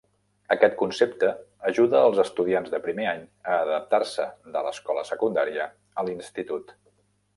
Aquest concepte ajuda els estudiants de primer any a adaptar-se de l'escola secundària a l'institut.